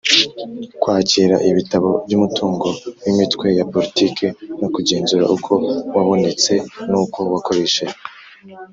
kwakira ibitabo by’umutungo w’imitwe ya politiki no kugenzura uko wabonetse n’uko wakoreshejwe